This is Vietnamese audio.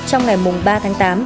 trong ngày mùng ba tháng tám